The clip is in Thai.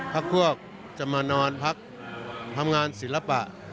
พักพวกจะมานอนพักทำงานศิลปะ